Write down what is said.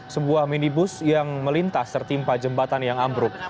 sebuah minibus yang melintas tertimpa jembatan yang ambruk